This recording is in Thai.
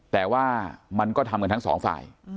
แต่ว่ามันก็ทำกันทั้งสองฝ่าย